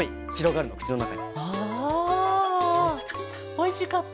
おいしかった。